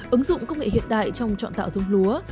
ứng dụng công nghệ hiện đại trong chọn tạo giống lúa